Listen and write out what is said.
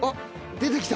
出てきた！